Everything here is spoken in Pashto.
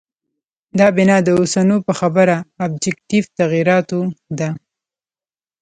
دا بنا د اوسنو په خبره آبجکټیف تغییراتو ده.